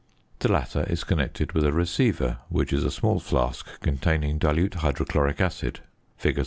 The latter is connected with a receiver, which is a small flask containing dilute hydrochloric acid (fig.